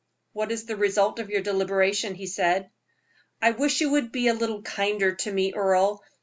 "What is the result of your deliberation?" he said. "I wish you would be a little kinder to me, Earle.